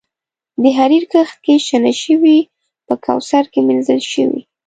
د حریر کښت کې شنه شوي په کوثر کې مینځل شوي